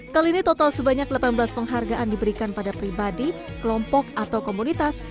kali ini total sebanyak delapan belas penghargaan diberikan pada pribadi kelompok atau komunitas